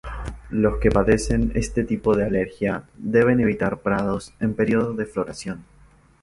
Los que padecen este tipo de alergia, deben evitar prados en período de floración.